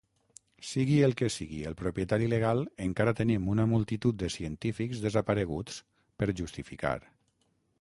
Sigui el qui sigui el propietari legal, encara tenim una multitud de científics desapareguts per justificar.